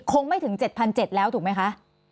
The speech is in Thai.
คงไม่ถึง๗๗๐๐แล้วถูกไหมคะ